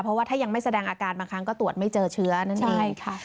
เพราะว่าถ้ายังไม่แสดงอาการบางครั้งก็ตรวจไม่เจอเชื้อนั่นเองใช่ค่ะ